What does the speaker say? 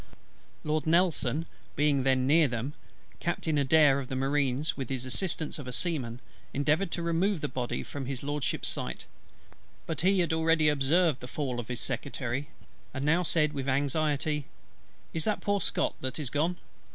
Lord NELSON being then near them, Captain ADAIR of the Marines, with the assistance of a Seaman, endeavoured to remove the body from His LORDSHIP'S sight: but he had already observed the fall of his Secretary; and now said with anxiety, "Is that poor SCOTT that is gone?"